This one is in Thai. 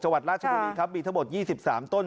วัดราชบุรีครับมีทั้งหมด๒๓ต้น